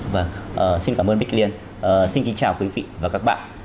vâng xin cảm ơn bích liên xin kính chào quý vị và các bạn